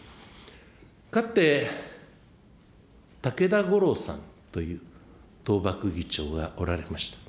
かつて、たけだごろうさんという統幕議長がおられました。